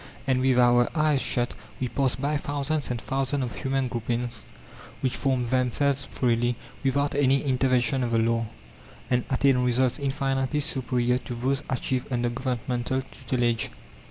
And with our eyes shut we pass by thousands and thousands of human groupings which form themselves freely, without any intervention of the law, and attain results infinitely superior to those achieved under governmental tutelage.